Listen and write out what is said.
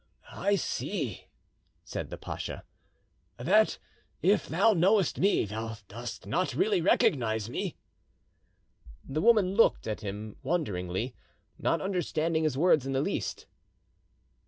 "I see," said the pacha, "that if thou knowest me, thou dost not really recognise me." The woman looked at him wonderingly, not understanding his words in the least.